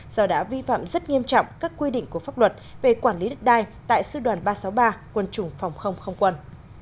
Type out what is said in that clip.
do đã vi phạm rất nghiêm trọng các quy định của pháp luật về quản lý đất đai tại sư đoàn ba trăm sáu mươi ba quân chủng phòng không không quân